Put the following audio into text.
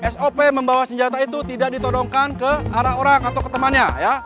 sop membawa senjata itu tidak ditodongkan ke arah orang atau ke temannya